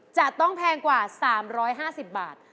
จะต้องแพงกว่า๓๕๐บาท